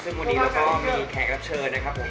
ซึ่งวันนี้เราก็มีแขกรับเชิญนะครับผม